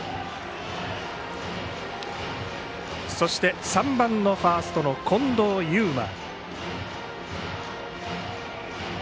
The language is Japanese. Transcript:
そして、３番のファースト近藤祐真。